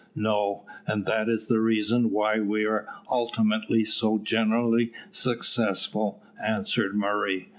"No, and that is the reason why we are ultimately so generally successful," answered Murray.